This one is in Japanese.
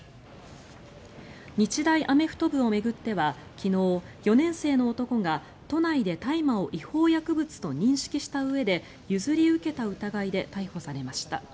日大アメフト部を巡っては昨日、４年生の男が都内で大麻を違法薬物と認識したうえで譲り受けた疑いで逮捕されました。